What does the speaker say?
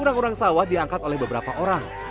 orang orang sawah diangkat oleh beberapa orang